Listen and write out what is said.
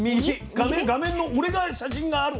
画面画面の俺が写真がある方。